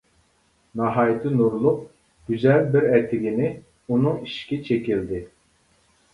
ناھايىتى نۇرلۇق، گۈزەل بىر ئەتىگىنى ئۇنىڭ ئىشىكى چېكىلدى.